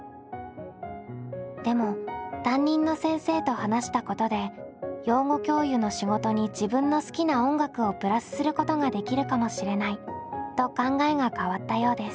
でも担任の先生と話したことで養護教諭の仕事に自分の好きな音楽をプラスすることができるかもしれないと考えが変わったようです。